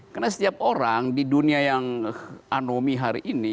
karena setiap orang di dunia yang anomi hari ini